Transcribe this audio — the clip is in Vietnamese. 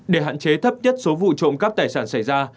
để hạn chế thấp nhất số vụ trộm cắp tài sản xảy ra